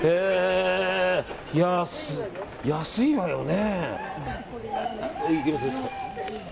安いわよね。